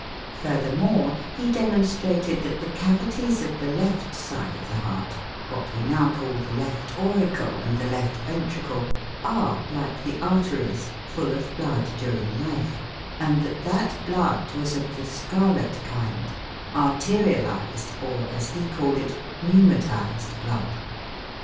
Furthermore, he demonstrated that the cavities of the left side of the heart what we now call the left auricle and the left ventricle are, like the arteries, full of blood during life, and that that blood was of the scarlet kind arterialised, or as he called it "pneumatised," blood.